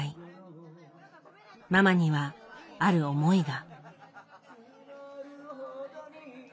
ママにはある思いが。